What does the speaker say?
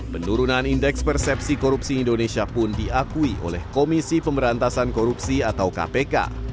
penurunan indeks persepsi korupsi indonesia pun diakui oleh komisi pemberantasan korupsi atau kpk